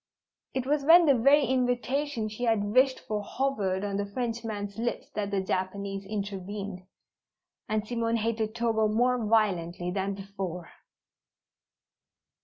It was when the very invitation she had wished for hovered on the Frenchman's lips that the Japanese intervened, and Simone hated Togo more violently than before.